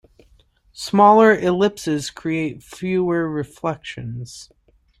Smaller ellipses create fewer reflections.